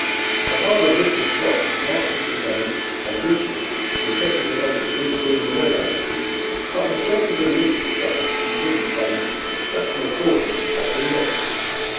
The harder ribs of rock doubtless remained as ridges projecting above the intervening lowlands, but the strength of relief that had been given by the constructional forces had been lost.